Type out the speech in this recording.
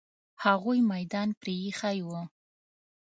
هغوی میدان پرې ایښی وو.